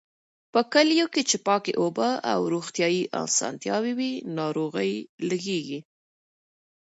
په کليو کې چې پاکې اوبه او روغتيايي اسانتیاوې وي، ناروغۍ لږېږي.